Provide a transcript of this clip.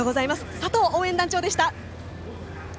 さとう応援団長でした。